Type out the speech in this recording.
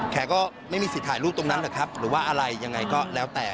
แกก็ไม่มีสิทธิ์ถ่ายรูปตรงนั้นหรอกครับหรือว่าอะไรยังไงก็แล้วแต่